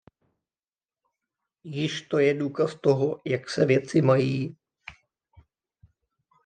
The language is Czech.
Již to je důkaz toho, jak se věci mají.